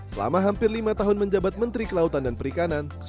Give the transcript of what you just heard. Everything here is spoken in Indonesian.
selama hampir lima tahun menjabat menteri kelautan dan perikanan